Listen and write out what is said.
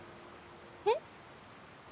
えっ？